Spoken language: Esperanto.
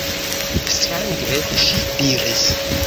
Strange, ŝi diris.